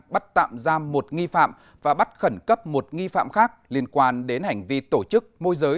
bắt tạm giam một nghi phạm và bắt khẩn cấp một nghi phạm khác liên quan đến hành vi tổ chức môi giới